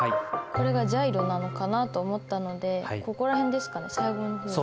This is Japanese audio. これがジャイロなのかなと思ったのでここら辺ですかね最後の方。